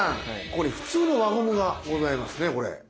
ここに普通の輪ゴムがございますねこれ。